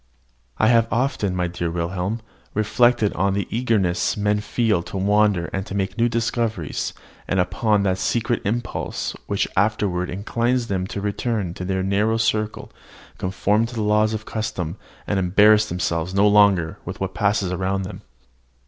I have often, my dear Wilhelm, reflected on the eagerness men feel to wander and make new discoveries, and upon that secret impulse which afterward inclines them to return to their narrow circle, conform to the laws of custom, and embarrass themselves no longer with what passes around them.